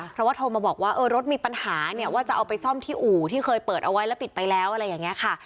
เพราะว่าโทรมาบอกว่าเออรถมีปัญหาเนี่ยว่าจะเอาไปซ่อมที่อู่ที่เคยเปิดเอาไว้แล้วปิดไปแล้วอะไรอย่างนี้ค่ะ